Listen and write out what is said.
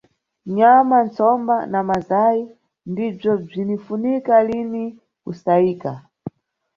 Nyama, ntsomba na mazay ndibzo bzinifunika lini ku sayika.